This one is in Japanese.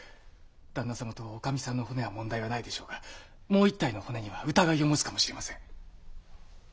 旦那様と内儀さんの骨は問題はないでしょうがもう一体の骨には疑いを持つかもしれません。